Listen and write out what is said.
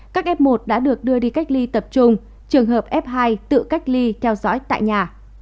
các f một đã được đưa đi cách ly tập trung trường hợp f hai tự cách ly theo dõi tại nhà